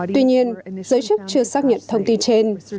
tuy nhiên giới chức chưa xác nhận thông tin trên